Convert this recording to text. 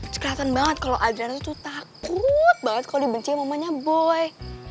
kelihatan banget kalo adriana tuh takut banget kalo dibencin mamanya boy